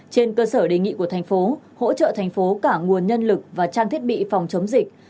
trên cơ sở đề nghị của thành phố hỗ trợ thành phố cả nguồn nhân lực và trang thiết bị phòng chống dịch